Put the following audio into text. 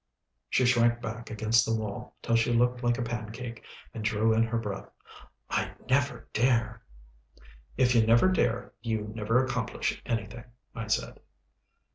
She shrank back against the wall, till she looked like a pancake, and drew in her breath. "I'd never dare." "If you never dare, you never accomplish anything," I said.